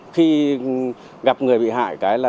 khi gặp người bị hại